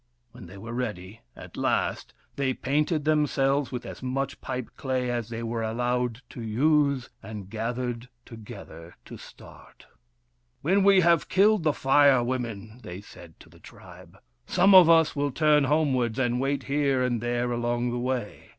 When they were ready, at last, they painted themselves with as much 234 WURIP, THE FIRE BRINGER pipe clay as they were allowed to use, and gathered together to start. " When we have killed the Fire Women," they said to the tribe, " some of us will turn home wards and wait here and there along the way.